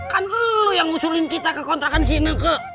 kan lo yang ngusulin kita ke kontrakan sini ke